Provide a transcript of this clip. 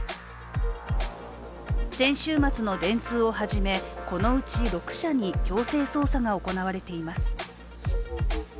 先週末の電通を始めこのうち６社に強制捜査が行われています。